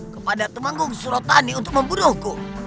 kepada temanggung surotani untuk membunuhku